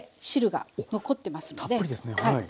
たっぷりですねはい。